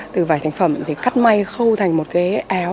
từ vải thành phẩm thì cắt may khâu thành một cái áo